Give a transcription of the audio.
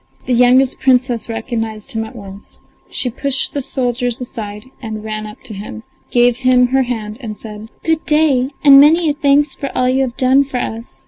The youngest Princess recognised him at once; she pushed the soldiers aside and ran up to him, gave him her hand, and said: "Good day, and many thanks for all you have done for us.